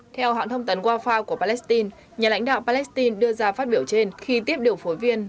theo hãng thông tấn wafa của palestine nhà lãnh đạo palestine đưa ra phát biểu trên khi tiếp điều phối viên